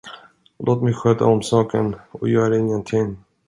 Låt mig sköta om saken, och gör ingenting.